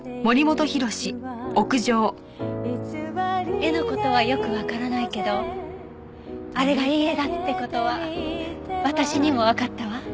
絵の事はよくわからないけどあれがいい絵だって事は私にもわかったわ。